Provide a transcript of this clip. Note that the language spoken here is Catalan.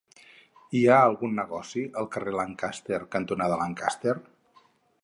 Hi ha algun negoci al carrer Lancaster cantonada Lancaster?